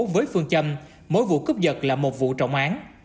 với phương châm mỗi vụ cướp giật là một vụ trọng án